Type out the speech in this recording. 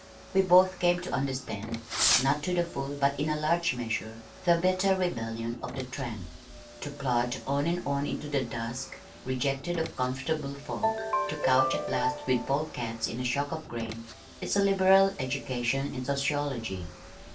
We both came to understand (not to the full, but in a large measure) the bitter rebellion of the tramp. To plod on and on into the dusk, rejected of comfortable folk, to couch at last with pole cats in a shock of grain is a liberal education in sociology.